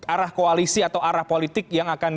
arah koalisi atau arah politik yang akan